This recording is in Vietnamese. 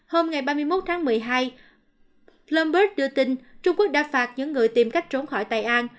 hôm ngày ba mươi một tháng một mươi hai bloomberg đưa tin trung quốc đã phạt những người tìm cách trốn khỏi tài an